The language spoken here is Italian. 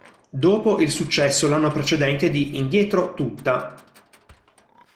Dopo il successo l'anno precedente di "Indietro tutta!